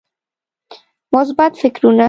مثبت فکرونه